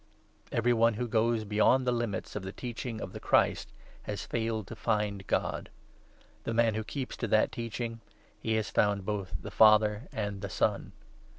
Every one who goes beyond the 9 limits of the Teaching of the Christ has failed to find God ; the man who keeps to that Teaching — he has found both the Father and the Son.